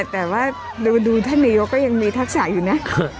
แต่ว่าดูท่านนายกก็ยังมีทักษะอยู่นะ